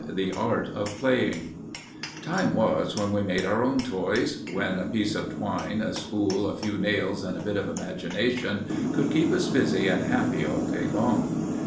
*The Art of Playing* Time was when we made our own toys; when a piece of twine, a spool, a few nails and a bit of imagination could keep us busy and happy all day long.